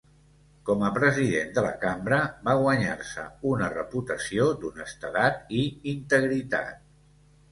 Com a President de la Cambra va guanyar-se una reputació d'honestedat i integritat.